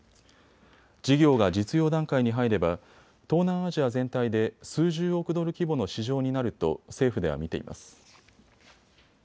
事業が実用段階に入れば東南アジア全体で数十億ドル規模の市場になると政府では見ています。